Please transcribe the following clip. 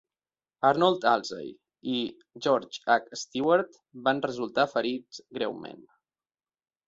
Arnold Elzey i George H. Steuart van resultar ferits greument.